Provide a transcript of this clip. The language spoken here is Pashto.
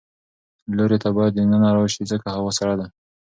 لورې ته باید د ننه راشې ځکه هوا سړه ده.